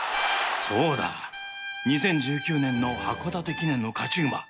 そうだ２０１９年の函館記念の勝ち馬